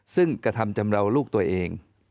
ซึ่งกระทำจำเราลูกตัวเอง